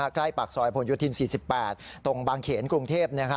ใกล้ปากซอยผลโยธิน๔๘ตรงบางเขนกรุงเทพ